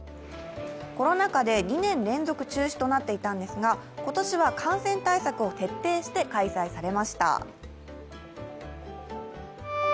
コロナ禍で２年連続中止となっていたんですが、今年は感染対策を徹底して開催されました。